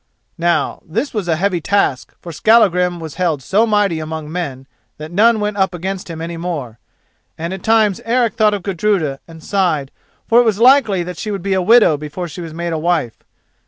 Now, this was a heavy task: for Skallagrim was held so mighty among men that none went up against him any more; and at times Eric thought of Gudruda, and sighed, for it was likely that she would be a widow before she was made a wife.